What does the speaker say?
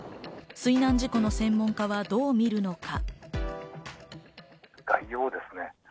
水難事故の専門家はどう見るのか。